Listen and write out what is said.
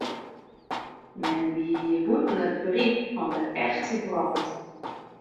Men wie hjir bûten it berik fan de echte wrâld.